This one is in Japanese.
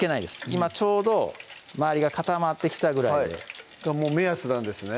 今ちょうど周りが固まってきたぐらいでが目安なんですね